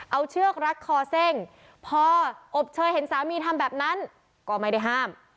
เอาเชือกรัดคอเซ่งพออบเชยเห็นสามีทำแบบนั้นก็ไม่ได้ห้าม